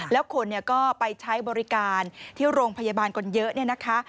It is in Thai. แล้วคุณก็ไปใช้บริการที่โรงพยาบาลคนเยอะ